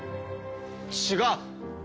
違う！